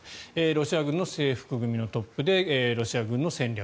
ロシア軍の制服組トップでロシア軍の戦略